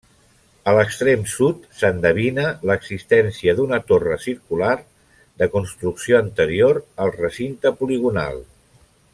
A l'extrem sud s'endevina l'existència d'una torre circular de construcció anterior al recinte poligonal.